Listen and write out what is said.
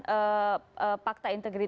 oke termasuk penanda tanganan